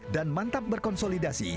dan mantap berkonsolidasi